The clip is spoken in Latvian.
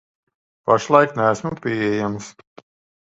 Pašlaik neesmu pieejams.